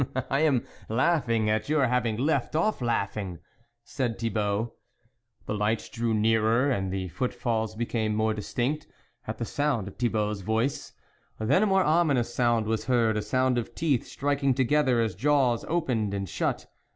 " I am laughing at your having left off laughing," said Thibault. The lights drew nearer, and the foot falls became more distinct, at the sound of 9 8 THE WOLF LEADER Thibault's voice. Then a more ominous sound was heard, a sound of teeth striking together, as jaws opened and shut.